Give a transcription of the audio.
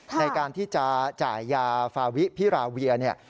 ในการที่จะจ่ายยาฟาวิพิราเวียเนี่ย